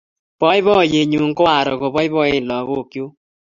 Poipoiyennyu ko aro kopoipoen lagok chuk